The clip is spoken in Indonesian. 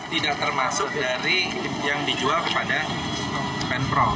tidak termasuk dari yang dijual kepada pemprov